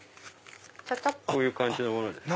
こういう感じのものです。